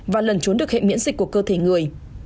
và lần trốn được hệ miễn dịch của cơ thể người